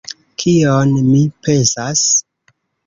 Kion mi pensas?